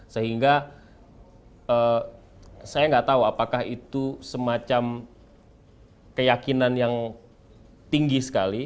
sehingga saya nggak tahu apakah itu semacam keyakinan yang tinggi sekali